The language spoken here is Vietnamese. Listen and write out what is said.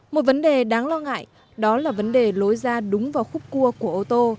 một vấn đề đáng lo ngại đó là vấn đề lối ra đúng vào khúc cua của ô tô